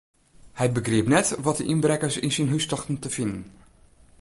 Hy begriep net wat de ynbrekkers yn syn hús tochten te finen.